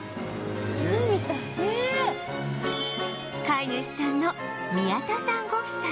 飼い主さんの宮田さんご夫妻